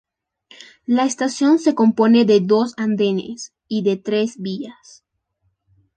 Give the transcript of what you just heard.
La estación se compone de dos andenes y de tres vías.